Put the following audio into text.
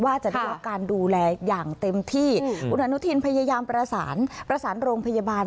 ว่าจะได้รับการดูแลอย่างเต็มที่คุณอนุทินพยายามประสานประสานโรงพยาบาล